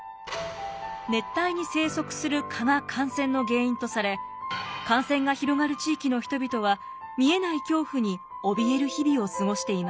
熱帯に生息する蚊が感染の原因とされ感染が広がる地域の人々は見えない恐怖に怯える日々を過ごしていました。